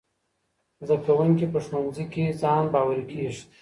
زدهکوونکي په ښوونځي کي ځان باوري کیږي.